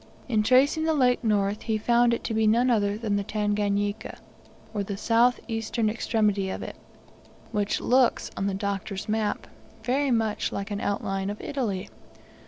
In tracing the lake north, he found it to be none other than the Tanganika, or the south eastern extremity of it, which looks, on the Doctor's map, very much like an outline of Italy.